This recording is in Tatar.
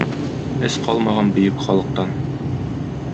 Эз калмаган бөек халыктан...